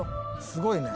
「すごいね」